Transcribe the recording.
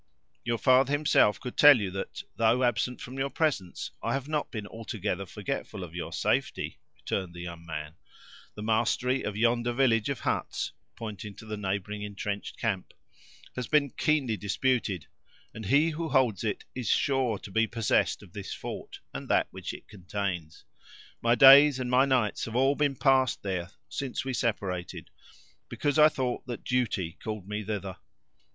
"Your father himself could tell you, that, though absent from your presence, I have not been altogether forgetful of your safety," returned the young man; "the mastery of yonder village of huts," pointing to the neighboring entrenched camp, "has been keenly disputed; and he who holds it is sure to be possessed of this fort, and that which it contains. My days and nights have all been passed there since we separated, because I thought that duty called me thither.